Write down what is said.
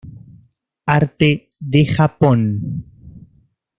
Arte de Japón